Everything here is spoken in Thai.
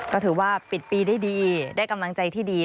ก็ถือว่าปิดปีได้ดีได้กำลังใจที่ดี